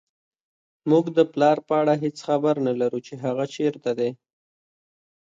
موږ د پلار په اړه هېڅ خبر نه لرو چې هغه چېرته دی